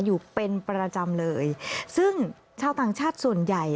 อยู่เป็นประจำเลยซึ่งชาวต่างชาติส่วนใหญ่